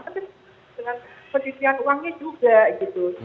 tapi dengan pencucian uangnya juga gitu